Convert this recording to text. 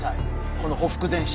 このほふく前進。